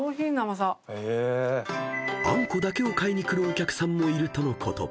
［あんこだけを買いに来るお客さんもいるとのこと］